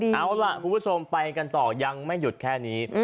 เมื่อสวมเป็นยังไม่หยุดแค่นี้